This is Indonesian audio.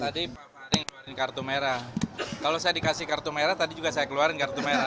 tadi pak fahri ngeluarin kartu merah kalau saya dikasih kartu merah tadi juga saya keluarin kartu merah